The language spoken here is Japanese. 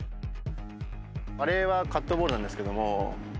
あれはカットボールなんですけども。